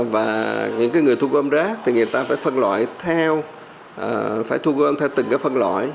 và những người thu gom rác thì người ta phải phân loại theo phải thu gom theo từng cái phân loại